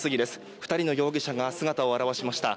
２人の容疑者が姿を現しました。